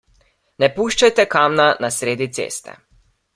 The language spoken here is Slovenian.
Ne puščajte kamna na sredi ceste.